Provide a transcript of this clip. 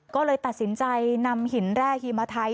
ก็เลยตัดสินใจนำหินแร่ฮีมาไทย